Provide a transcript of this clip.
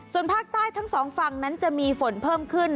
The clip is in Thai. ส่วนภาคใต้ทั้งสองฝั่งนั้นจะมีฝนเพิ่มขึ้น